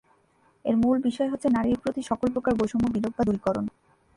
এর মূল বিষয় হচ্ছে, নারীর প্রতি সকল প্রকার বৈষম্য বিলোপ বা দূরীকরণ।